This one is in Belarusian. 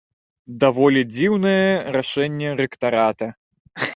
Даволі дзіўнае рашэнне рэктарата.